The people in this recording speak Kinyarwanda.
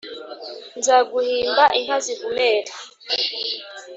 nzaguhimba inka zivumere